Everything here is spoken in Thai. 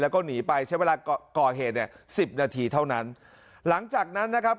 แล้วก็หนีไปใช้เวลาก่อเหตุเนี่ยสิบนาทีเท่านั้นหลังจากนั้นนะครับ